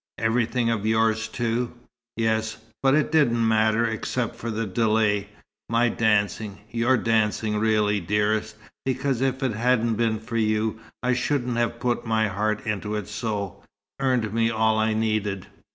"Everything of yours, too?" "Yes. But it didn't matter, except for the delay. My dancing your dancing really, dearest, because if it hadn't been for you I shouldn't have put my heart into it so earned me all I needed."